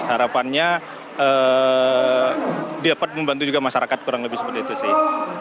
harapannya dapat membantu juga masyarakat kurang lebih seperti itu sih